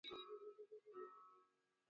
samadi za kuku